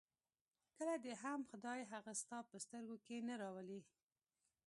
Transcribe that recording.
کله دې هم خدای هغه ستا په سترګو کې نه راولي.